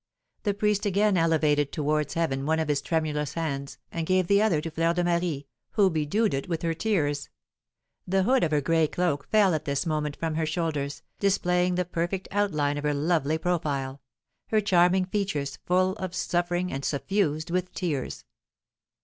The priest again elevated towards heaven one of his tremulous hands, and gave the other to Fleur de Marie, who bedewed it with her tears. The hood of her gray cloak fell at this moment from her shoulders, displaying the perfect outline of her lovely profile, her charming features full of suffering, and suffused with tears.